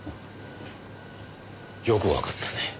よくわかったね。